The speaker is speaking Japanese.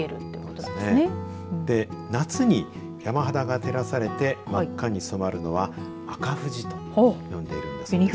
で夏に山肌が照らされて真っ赤に染まるのは赤富士と呼んでいるんだそうです。